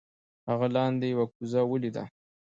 هغه لاندې یو کوزه ولیده.